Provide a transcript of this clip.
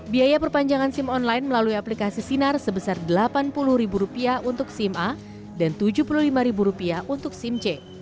biaya perpanjangan sim online melalui aplikasi sinar sebesar rp delapan puluh untuk sim a dan rp tujuh puluh lima untuk sim c